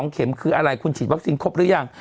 เข็มคืออะไรคุณฉีดวัคซีนครบหรือยัง